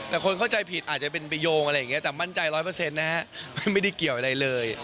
แต่คนเข้าใจผิดอาจจะเป็นไปโยงอะไรอย่างนี้แต่มั่นใจร้อยเปอร์เซ็นต์นะฮะไม่ได้เกี่ยวอะไรเลย